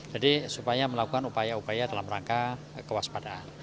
jadi supaya melakukan upaya upaya dalam rangka kewaspadaan